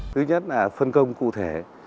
thứ nhất là phân công cụ thể